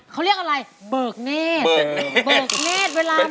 เขาเรียกอะไรเบิกเนทเบิกเนทเบิกเนทเวลาใหม่